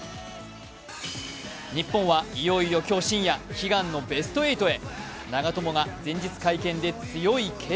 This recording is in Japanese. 日本はいよいよ今日深夜、悲願のベスト８へ。